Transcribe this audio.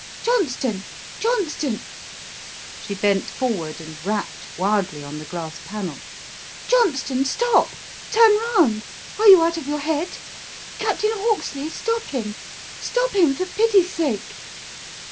Johnston! Johnston!" She bent forward and rapped wildly on the glass panel. "Johnston, stop! turn round! are you out of your head? Captain Hawksley, stop him stop him for pity's sake!"